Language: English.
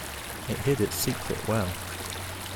It hid its secret well.